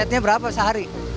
omsetnya berapa sehari